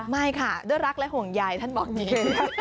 ไม่ค่ะด้วยรักและห่วงใยท่านบอกอย่างนี้